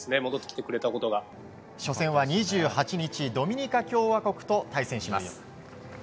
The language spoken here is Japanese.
初戦は２８日ドミニカ共和国と対戦します。